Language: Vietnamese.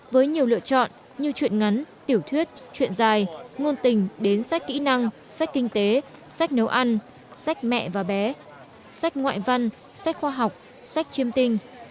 với nhiều lựa chọn như chuyện ngắn tiểu thuyết chuyện dài ngôn tình đến sách kỹ năng sách kinh tế sách nấu ăn sách mẹ và bé sách ngoại văn sách khoa học sách chiêm tinh